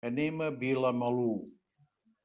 Anem a Vilamalur.